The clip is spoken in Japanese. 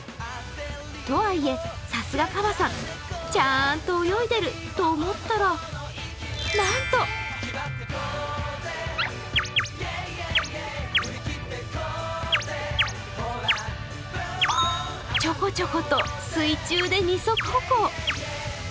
とはいえ、さすがカバさんちゃーんと泳いでると思ったらなんとちょこちょこと水中で２足歩行。